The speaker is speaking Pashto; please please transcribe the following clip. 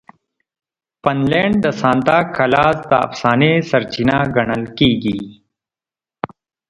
فنلنډ د سانتا کلاز د افسانې سرچینه ګڼل کیږي.